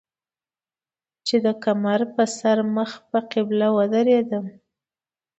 چې د کمر پۀ سر مخ پۀ قبله ودرېدم